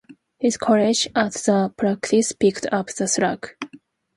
His colleague at the practice picked up the slack.